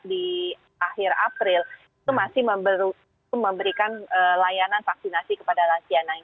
di akhir april itu masih memberikan layanan vaksinasi kepada lansia